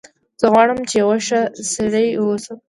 زه غواړم چې یو ښه سړی و اوسم